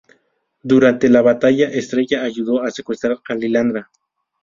Durante la batalla, Estrella ayudó a secuestrar a Lilandra.